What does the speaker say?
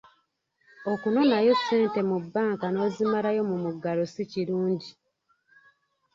Okunoonayo ssente mu banka n’ozimalayo mu muggalo si kirungi.